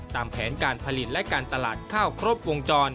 ตามแผนการผลิตและการตลาดข้าวครบวงจร